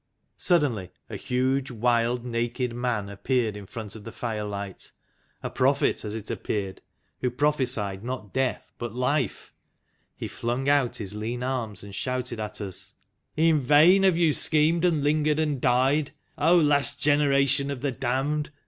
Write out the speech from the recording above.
Suddenly a huge, wild, naked man appeared in front of the firelight, a prophet, as it appeared, who pro phesied not death but life. He flung out his lean arms and shouted at us: " In vain have you schemed and lingered and died, O Last Generation of the Damned.